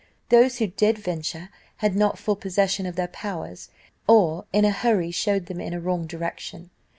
Those who did venture, had not full possession of their powers, or in a hurry showed them in a wrong direction.